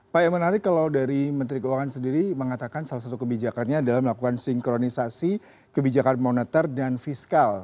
pak yang menarik kalau dari menteri keuangan sendiri mengatakan salah satu kebijakannya adalah melakukan sinkronisasi kebijakan moneter dan fiskal